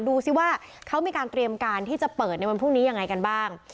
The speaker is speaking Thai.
ดูสิว่าเขามีการเตรียมการที่จะเปิดในวันพรุ่งนี้ยังไงกันบ้าง